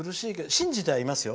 信じてはいますよ。